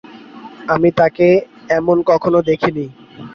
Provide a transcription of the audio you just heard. আমি তাকে এমন কখনো দেখি নি।